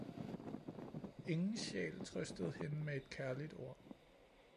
ingen sjæl trøstede hende med et kærligt ord.